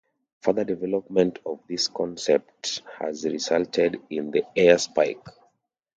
Further development of this concept has resulted in the "air-spike".